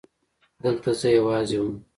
دلته زه يوازې وم.